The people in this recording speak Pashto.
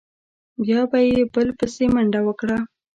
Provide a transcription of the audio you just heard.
بیا به یې بل بسې منډه وکړه.